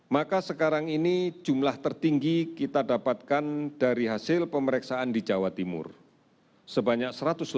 maka sekarang ini jumlah tertinggi kita dapatkan dari hasil pemeriksaan di jawa timur sebanyak satu ratus sembilan puluh